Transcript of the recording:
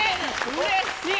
うれしい！